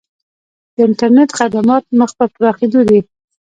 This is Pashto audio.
د انټرنیټ خدمات مخ په پراخیدو دي